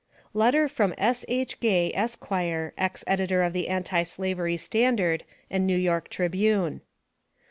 LETTER FROM S.H. GAY, ESQ., EX EDITOR OF THE ANTI SLAVERY STANDARD AND NEW YORK TRIBUNE.